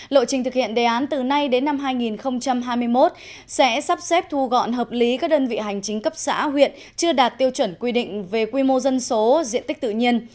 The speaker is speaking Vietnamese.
lộ trình thực hiện đề án từ nay đến năm hai nghìn hai mươi một sẽ sắp xếp thu gọn hợp lý các đơn vị hành chính cấp xã huyện chưa đạt tiêu chuẩn quy định về quy mô dân số diện tích tự nhiên